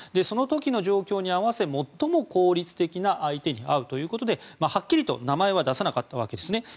その時の状況に合わせ最も効率的な相手に会うということではっきりと名前は出さなかったわけですね。